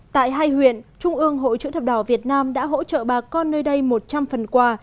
tại hai huyện trung ương hội chữ thập đỏ việt nam đã hỗ trợ bà con nơi đây một trăm linh phần quà